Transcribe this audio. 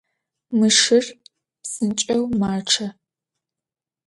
Mı şşır psınç'eu maççe.